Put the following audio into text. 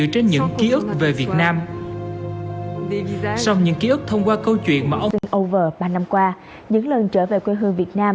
trở nên mạnh mệt hơn bao giờ hết